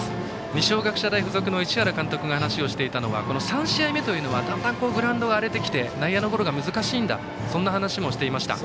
二松学舎大付属の市原監督が話していたのは３試合目というのはだんだんグラウンドが荒れてきて内野のゴロが難しいんだという話もしていました。